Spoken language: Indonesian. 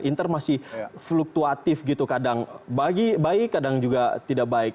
inter masih fluktuatif gitu kadang baik kadang juga tidak baik